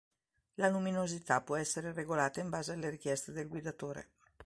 La luminosità può essere regolata in base alle richieste del guidatore.